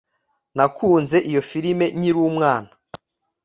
nakunze iyo firime nkiri umwana